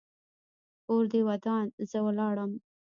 کور دې ودان؛ زه ولاړم.